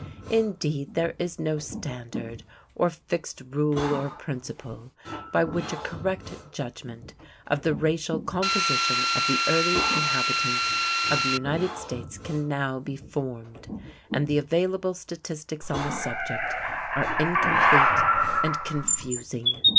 Indeed, there is no standard, or fixed rule or principle, by which a correct judgment of the racial composition of the early inhabitants of the United States can now be formed, and the available statistics on the subject are incomplete and confusing.